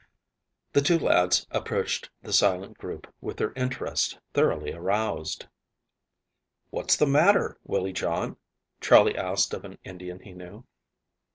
The two lads approached the silent group with their interest thoroughly aroused. "What's the matter, Willie John?" Charley asked of an Indian he knew.